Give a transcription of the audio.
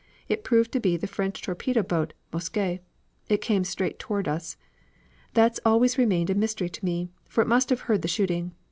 It proved to be the French torpedo boat Mousquet. It came straight toward us. That's always remained a mystery to me, for it must have heard the shooting.